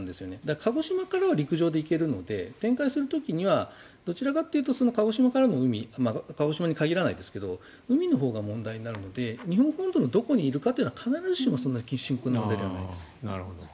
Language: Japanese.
鹿児島からは陸上で行けるので展開する時にはどちらかというと鹿児島からの海鹿児島に限らないですが海のほうが問題になるので日本本土のどこにいるのかは必ずしも深刻な問題ではないです。